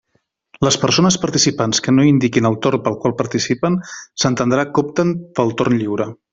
Les persones participants que no indiquin el torn pel qual participen, s'entendrà que opten pel torn lliure.